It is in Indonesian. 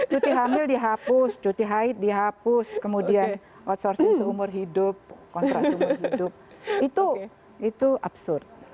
cuti hamil dihapus cuti haid dihapus kemudian outsourcing seumur hidup kontras umur hidup itu absurd